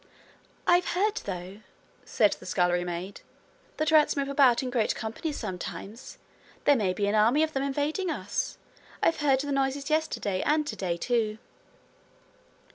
'I've heard, though,' said the scullery maid, 'that rats move about in great companies sometimes. There may be an army of them invading us. I've heard the noises yesterday and today too.'